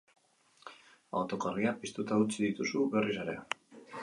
Autoko argiak piztuta utzi dituzu berriz ere.